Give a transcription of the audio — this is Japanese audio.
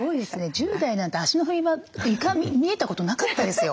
１０代なんて足の踏み場床見えたことなかったですよ。